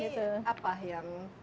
ini apa yang